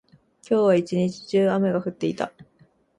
今日は一日中、雨が降っていた。